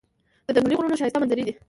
د ځنګلي غرونو ښایسته منظرې دي.